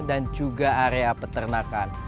dan juga area peternakan